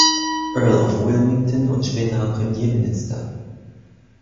Earl of Wilmington und späterer Premierminister.